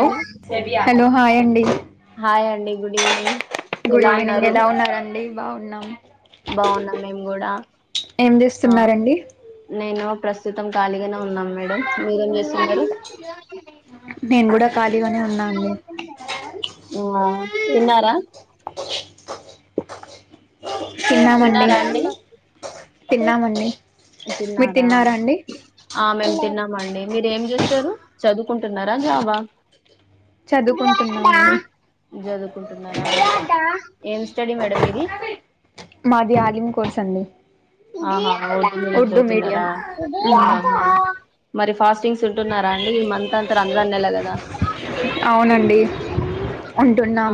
అండి hello hi అండి hi అండి గుడ్ ఈవినింగ్ గుడ్ ఎలా ఈవినింగ్ ఉన్నారు ఎలా ఉన్నారండి బాగున్నాం బాగున్నాం మేము కూడా ఏం చేస్తున్నారండీ ప్రసు త్తం ఖాళీగానే ఉన్నాం మేడం మీరేం చేస్తున్నారు నేను కూడా ఖాళీగానే ఉన్నా అండి ఆ తిన్నారా తిన్నామండి తిన్నారా అండి తిన్నామండి మీరు తిన్నారా అండి తిన్నామండి మీరు ఏం చేస్తారు చదువుకుంటున్నారా జాబా చదువుకుంటున్నా అండి జదువుకుంటున్నారా ఏం స్టడీ మేడం మీది మాది ఆలింగ్ కోర్స్ అండి అవునా [unintelligible] ఉర్దూ మీడియం అతున్నారా ఉమ్ మరి ఫాస్టింగ్స్ ఉంటున్నారా అండి ఈ మంత్ అంతా రంజన్ నెల కదా అవునండి ఉంటున్నాం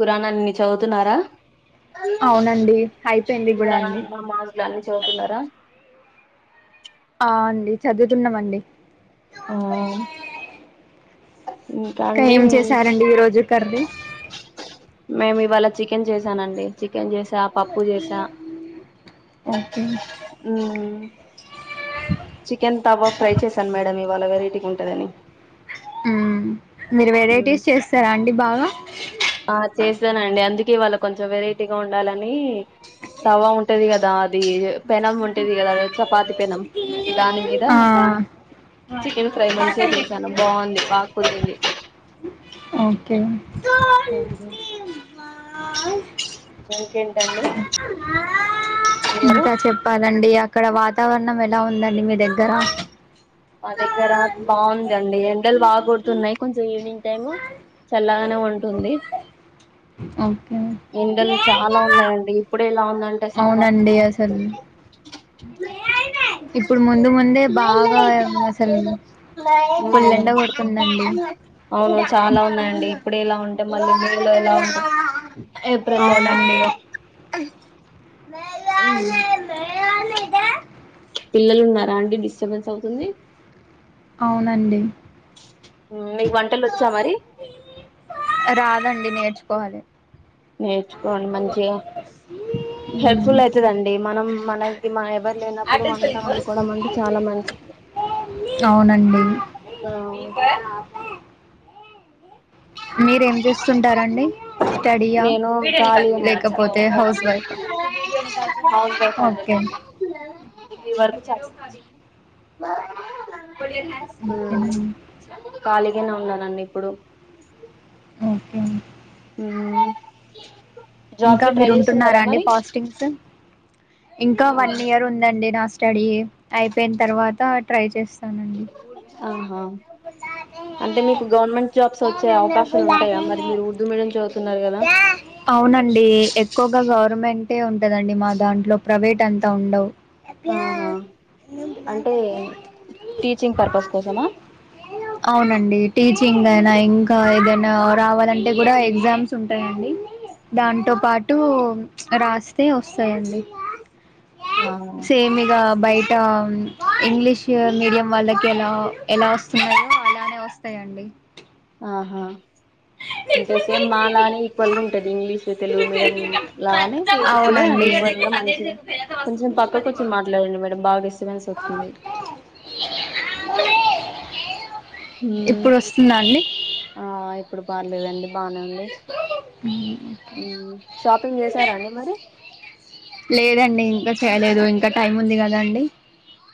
ఖురాన్ అన్ని చదువుతున్నారా అవునండి అయిపోయింది గుడా అండి ఇలానె చదువుతున్నారా ఆ అండి చదువుతున్నమండి ఆ ఇంకా ఏం చేసారండి ఈ రోజు కర్రీ. మేము ఇవాళ చికెన్ జేసానండి. చికెన్ జేసా పప్పు జేస ఓకె చికెన్ తవ ఫ్రై చేశాను మేడం ఇవాల వెరైటీ గుంటదని హ్మ్ మీరు వెరైటీస్ చేస్తారా అండి బాగా ఆ చేసానండి. అందుకే వాళ్ళకు కొంచెం వెరైటీగా ఉండాలనీ తవా ఉంటది కదా అది య పెనం ఉంటది కదా చపాతి పెనం. దాని మీద ఆ చికెన్ ఫ్రై మంచిగా చేశాను బాగుంది బాగా కుదిరింది ఓకే ఓహో ఇంకేమ్ టండీ. ఇంకా చెప్పాలండి అక్కడ వాత్ తావరణం ఎలా ఉందండి మీ దెగ్గర మా దగ్గరా హ్మ్ బాగుంద్ ఇదండి ఎండల్ల్ బాగా కొడుతున్నాయి కొంచెం ఈవినింగ్ టైమ్ లో చల్లగానే ఉంటుంది. ఓకే ఎండల్ చాలా ఉన్నాయండి. ఇప్పుడే ఇలా ఉందంటే సమ్మర్ అవునండి ఎలా అసలు ఉంటుంది. ఇప్పుడు ముందు ముందే బాగా అసలు ఫుల్ ఎండ హ్మ్ కొడుతుందండి అవును చాలా ఉన్నాయిండి. ఇప్పుడే ఇలా ఉం టే మల్లీలా ఎలా ఉంటవ్ అవునండి. హ్మ్ పిల్లలు ఉన్నారా అండి డిస్టర్బెన్స్ అవుతుంది. అవునండి. హ్మ్ మీకు వంటలు వచ్చా మరి. పోవాలే. నేర్చుకోని మంచిగా ఉమ్. హెల్ప్ఫుల్ అయితదండి మనం. మనంకి మాయవ మంచిది అవునండి. మీరేం చేస్తుంటారండి స్టడీయా నేను ఖాళీయేనండి హౌస్ వైఫ్ ని హౌస్ వైఫ్ అండి ఓకే నేను ఈ వర్కు చాలు హ్మ్ ఓకేనండి ఖాళీగానే ఉన్నాను నన్ను ఇప్పుడు ఓకే హ్మ్ ఇంకా మీరు ఉంటున్నారా అండి ఫాస్టింగ్స్, ఇంకా ఆ వన్ ఇయర్ ఉందండి నాస్ట్ స్టడీ అయిపోయిన తర్వాత ట్రై చేస్ ఆహా అంటే మీకు గవర్నమెంట్ జాబ్స్ వచ్చే అవకాశాలు ఉంటాయా మరి మీరు ఉర్దూ మీడియం చదువుతున్నారు కదా ఇ ఎక్కువగా గవర్నమెంటే ఉంటదండి మా దాంట్లో ప్రైవేట్ అంతా ఉండవు ఆహా అంటే టీచింగ్ పర్పస్ కోసమా అవునండి కింగ్ అయినా ఇంకా ఏదైనా రావాలంటే కూడా ఎగ్జామ్స్ ఉంటాయండి దాంతో పాటు రాస్తే వస్తాయండి సేమ్ ఇగ బయట ఇంగ్లీష్ మీడియం వాళ్ళకి ఎలా ఎలా వస్తున్నాయో అలానే వస్తాయండి. ఆహా అంటే సేమ్ మా లానే ఈక్వల్గా ఉంటది ఇంగ్లీష్ తెలుగు మీడియం లాగానే, వీటికి కూడా అవునండి ఈక్వల్ గా మంచిగా కొంచెం పక్కకు వచ్చి మాట్లాడండి మేడం బాగా డిస్టర్బెన్స్ వస్తుంది. మ్మ్. ఇప్పుడు వస్తుందండి ఆ ఇప్పుడు పర్లేదండి బానే ఉంది షాపింగ్ చేసారాండి మరి లేదండి ఇంకా చేయలేదు ఇంకా టైం ఉంది కదా అండి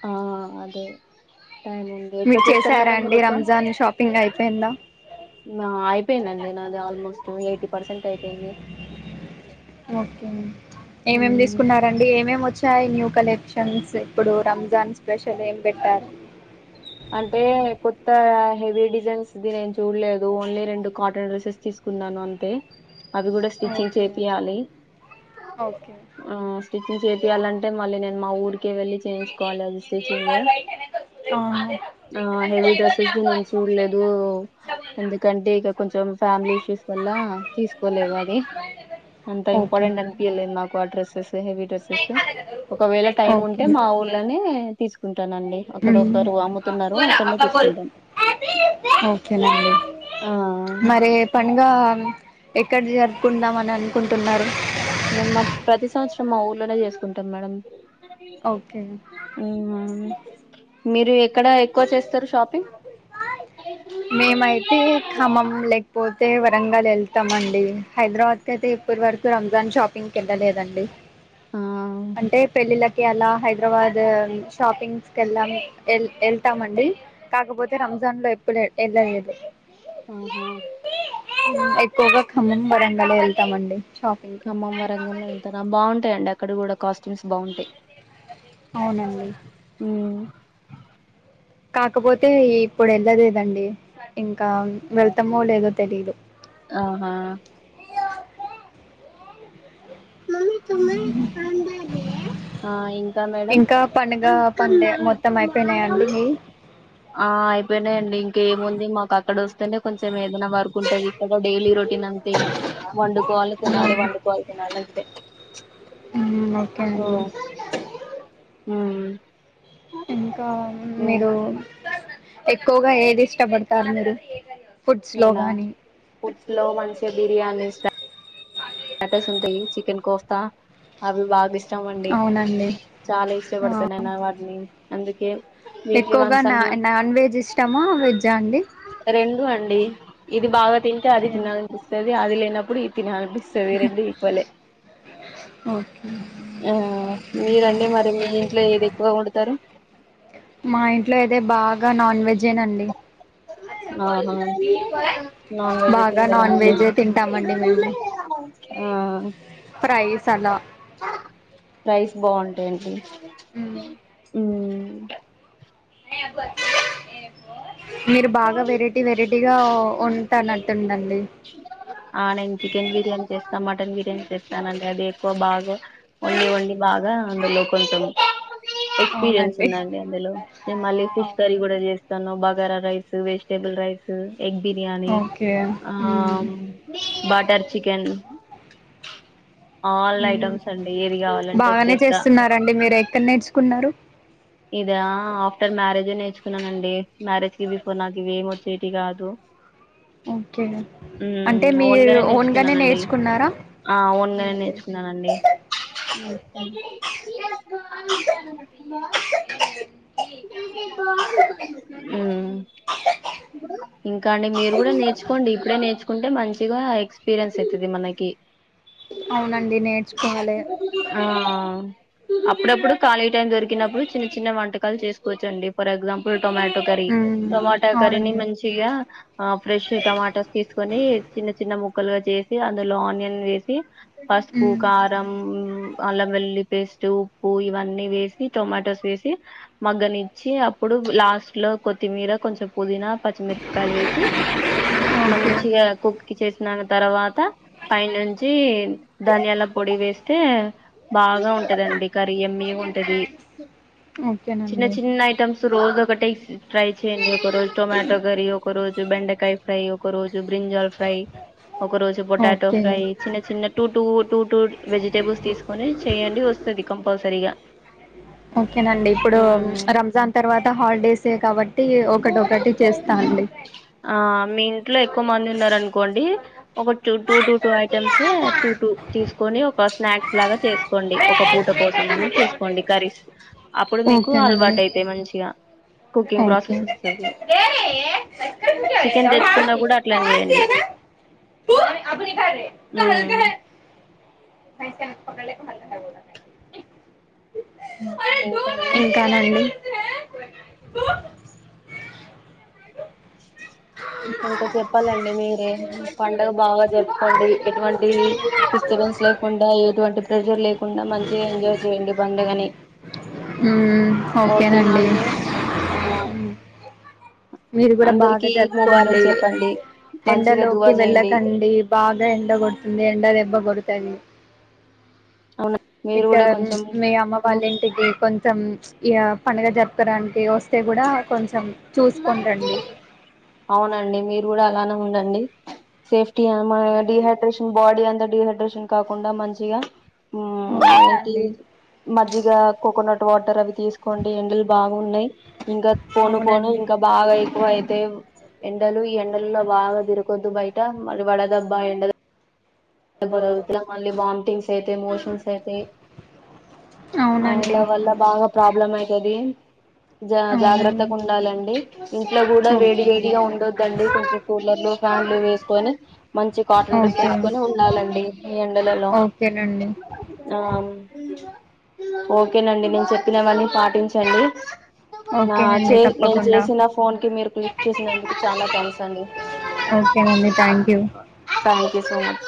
ఆ అదే టైమ్ ఉంది ఎక్కు మీరు చేస్తారు చేసారా మేడం మీరు అండి ఎక్కువా, రంజాన్ షాపింగ్ అయిపోయిందా అయిపోయిందండి నాది ఆల్మోస్ట్ ఎయిటి పర్సెంట్ అయిపోయింది ఓకే ఏమేం మ్మ్ తీసుకున్నారండి ఏమేమి వచ్చాయి న్యూ కలెక్షన్స్ ఇప్పుడు రంజాన్ స్పెషల్ ఏం పెట్టారు అంటే కొత్త హెవీ డిజైన్స్ది నేను చూడలేదు ఓన్లీ రెండు కాటన్ డ్రెసెస్ తీసుకున్నాను అంతే అవి కూడ స్టిచ్చింగ్ ఓకే చేపియాలి ఓకే ఆ స్టిచ్చింగ్ చేపియాలంటే మళ్ళీ నేన్ మా ఊరికి వెళ్ళి చేయించుకోవాలి స్టిచ్చింగ్ ఆ హెవీ డ్రెస్సెస్ చూడలేదు ఎందుకంటే ఇగ కొంచెం ఫ్యామిలీ ఇష్యూస్ వల్ల తీసుకోలేదు అది అంత ఓకేనండి ఓకే ఇంపార్టెంట్ అనిపియలేద్ నాకు ఆ డ్రెస్ హెవీ డ్రెస్సెస్ ఒకవేళ టైం ఉం అంటే మా ఊళ్ళనే తీసుకుంటానండి అక్కడొ మ్మ్. ఒకరు అమ్ముతున్నారు అక్కడనే తీసుకుంటాం ఓకేనండి ఆ మరి పండుగ ఎక్కడ జరుపుకుందామని అనుకుంటున్నారు నే చేసుకుంటాం మేడం ఓకే హ్మ్ మీరు ఎ ఎక్కడ ఎక్కువ చేస్తారు షాపింగ్ మేమయితే ఖమ్మం లేకపో తే వరంగల్ ఎళ్తామండి, హైదరాబాద్కి అయితే ఇప్పటి వరకు రంజాన్ షాపింగ్కి వెళ్ళలేదండి. ఆ అంటే పెళ్ళిళ్లకి అలా హైదరాబాద్ షాపింగ్స్ కెల్తం కలానూ వెళ్తామండి కాకపోతే రంజాన్ లో ఎప్పుడు ఎళ్ళలేదు ఆహా ఎక్కువగా ఖమ్మం వరంగల్ ఎ వెళ్తామండి షాపింగ్ కి ఖమ్మం వరంగల్ ఎళ్తరా బాగుంటాయండి ఆ అక్కడ కూడ కాస్ట్యూమ్స్ బాగుంటయ్ అవునండి కాకపోతే ఇప్పుడు ఎళ్ళలేదండి ఇంకా వెళ్తామో లేదో తెలిదు ఆహా ఆ ఇంకా మేడం ఇంకా పండుగ పనులే మొత్తం అయిపోయినియా అండి మీయీ ఆ అయిపోనైయండి ఇంకేముంది. మాకు అక్కడ వొస్తేనే కొంచెం ఎద్. ఏమన్నా వర్క్ ఉంటది. ఇక్కడ డైలీ రొటీన్ అంతే వండుకోవాలి తినాలి, వండుకోవాలి తినాలి అంతే. ఊ ఓకే అండి. ఊ ఇంకా మిరూ. ఎక్కువగా ఏది ఇష్టపడతారు మీరు. ఫుడ్స్ లో నేనా గానీ ఫుడ్స్ లో మంచి బిర్యానీస్ ఫామ్. ఎటస్ ఉంటయి. చికెన్ కోస్తా అవి బాగిస్. చం అండి. అవునండి చాలా ఆ ఇష్టపడతనండి. అవి వాట్ నేన్ అందుకే. వీక్లీ ఎక్కువగా వన్స్ నా అన్నా నాన్ వెజ్ ఇష్టామా వెజ్ ఆ అండి. రెండు అండి. ఇది బాగా తింటే అది ఓకే తినాలినిపిస్తది. అది లేనప్పుడు ఇది. తినాలనిపిస్తది. రెండు ఈక్వల్లే. ఓకే ఆ మీరండి మరి మీ ఇంట్లో ఏది ఎక్కువ వండుతారు. గా నాన్ వెజ్. ఆహా నాన్ వెజ్ బాగా తింటారా నాన్ అండి. వెజ్జే తింటామండి మేము ఆ ఫ్రైస్ అలా రైస్ బాగుంటయండి. మ్. ఊ నబ ఏ ఉంటానట్టుందండి ఆ నేను చికెన్ బిర్యానీ చేస్త మటన్ బిర్. టెన్ చేస్తానండి. అది ఎక్కువ బాగా. వండి వండి బాగా. అందులో కొంచం. ఎక్స్పీరియన్స్ అవునండి ఉందండి. అందులో నేను మళ్ళీ ఫిష్ కర్రీ కూడా చేస్తాను బాగ్. గారా రైస్. చ్ vegetable rice. Egg biryani, okay ఆ మ్మ్ బట్. టర్ చికెన్. ఆల్ ఊ ఐటమ్స్ అండి ఏది కావాలంటే అది బాగనే చేస్తా చేస్తున్నారండి. మీరు ఎక్కడ నేర్చుకున్నారు. ఇదా ఆఫ్టర్ మ్యారేజె నేర్చుకున్నానండి. మ్యారేజ్ కి బిఫోర్ నాకు ఇవి ఏమి వచ్చేటివి కాదు. ఓకే ఊ అంటే మీరు ఓన్గానె ఓన్గానే నేర్చుకున్నానండి. నేర్చుకున్నారా ఆ ఓన్గానె నేర్చుకున్న నండి. ఊ ఇంకా అండి మీరు కూడ నేర్చుకోండి. ఇప్పుడే నేర్చుకుంటే మంచిగా ఎక్స్పీరియన్స్ అయితది మనకి. అవునండి నేర్చుకోవాలె. ఆ అప్పుడప్పుడు ఖాళీ టైం దొరికినప్పుడు చిన్న చిన్న వంటక్. కల్ చేసుకోవచ్చండి for example tomato curry um tomato కర్రీని అవునండి మంచిగా ఆ ఫ్రెష్ టమాటోస్ తీసుకొని చిన్న చిన్న ము క్కలుగా చేసి అందులో ఆనియన్ వేసి పసుపు ఉమ్ కారం ఉ అల్లం వెల్లుల్లి పేస్ట్ ఉప్పు ఇవన్నీ వేసి టొమాటోస్ వేసి మగ్గనిచ్చి అప్పుడు లాస్ట్ లో కొత్తిమీర కొంచెం పుదీనా పచ్చిమిరపకాయలు వేసి ఓకే మంచిగా కుక్కి చేసిన తర్వాత పై నుంచి ధనియాల పొడి వేస్తే బాగా ఉంటదండి కర్రీ యమ్మీగా ఉంటది చిన్న ఓకేనండి చిన్న ఐటమ్స్ రోజు ఒకటి ట్రై చేయండి ఒక రోజు టొమాటో కర్రీ ఒక రోజు బెండకాయ ఫ్రై ఒక రోజు బ్రింజల్ ఫ్రై ఒక రోజు పొటాటో ఓకే ఫ్రై చిన్న చిన్న two two two two vegetables తీసుకొని చెయండి వస్తుంది కంపల్సరిగా ఓకేనండి ఇప్పుడు రంజాన్ తర్వాత హాలిడేస్ ఏ క ఆ మీ ఇంట్లో ఎక్కువ మంది ఉన్నారనుకోండి ఒక two two two two items two two తీసుకు కొని ఒక స్నాక్స్ లాగా చేసుకోండి ఒక పూట కోసం అని చేసుకోండి కర్రీస్ అప్పుడు మీకు ఓకేనండి అలవాటు అయితాయ్ మంచిగా కుకింగ్ ప్రాసెస్ వస్తది చికెన్ [unintelligible] హుమ్మ్ ఇంకా అండి ఇంకానండి ఇంకా చెప్పాలండి మీరే. పండగ బాగా జరుపుకోండి ఎటువంటి డిస్టర్బెన్స్ లేకు కుండా ఎటువంటి ప్రెజర్ లేకుండా మంచిగా ఎంజాయ్ చేయండి పండుగని. ఉమ్ ఓకేనా ఓకేనండి అండి ఆ ఉమ్ మీరు కూడా బాగా అందరికి జరుపుకోండి. ముబారక్ చెప్పండి మంచిగా దువా ఎండలోకి చేయండి వెళ్ళకండి, బాగా ఎండ కొడుతుంది. ఎండ దెబ్బ కొడుతుంది అవునా మీరు ఇక్కడ కూడా కొంచెం మీ అమ్మ వాళ్ళింటికి కొంచం ఇ పండుగ జరుపుకోడానికి వస్తే కూడా కొంచెం చూసుకోంరండి అవునండి మీరు కూడా అలానే ఉండండి. సేఫ్ ఓకేనండి డిహైడ్రేషన్ బాడీ అంతా డీహైడ్రేషన్. కాకుండా మంచిగా ఉ ఏంటి ఓకేనండి మజ్జిగ కోకోనట్ వాటర్ అవి తీసుకోండి ఎండలు బాగున్నాయి ఇంకా పోను పోను అవునండి ఇంకా బాగా ఎక్కువయి తేవ్ ఎండలు ఈ ఎండలలో బాగా తిరుకొదు బయట మరి వడదబ్బా ఎండ [unintelligible] మళ్ళీ వాంటింగ్స్ అయితయి, మోషన్స్ అయితాయి, అవునండి అయంద వల్ల బాగా ప్రాబ్లమ్ అయితది జా అవునండి జాగ్రత్తగా ఉండాలండి, ఇంట్లో గూడ వేడి ఓకేనండి వేడిగా ఉండొద్దండి కొంచెం కూలర్లు, ఫ్యాన్లు వేసుకొని మంచి కాటన్ డ్రెస్ ఓకే వేసుకొ ఎ ఉండాలండి ఈ ఎండలలో ఓకేనండి ఆ ఓకేనండి నేను చెప్పినవన్నీ పాటించండి నా ఓకేనండి చే నేను తప్పకుండా చేసిన ఫోన్ కి మీరు లిఫ్ట్ చేసినందుకు చాలా థ్యాంక్స్ అండి. ఓకేనండి thank you thank you so much